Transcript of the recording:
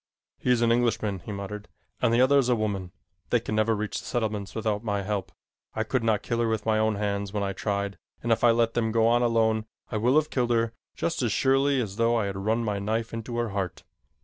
"He is an Englishman," he muttered, "and the other is a woman. They can never reach the settlements without my help. I could not kill her with my own hands when I tried, and if I let them go on alone, I will have killed her just as surely as though I had run my knife into her heart.